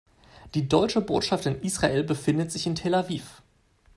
Die Deutsche Botschaft in Israel befindet sich in Tel Aviv.